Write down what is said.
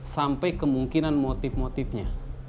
sampai kemungkinan motif motifnya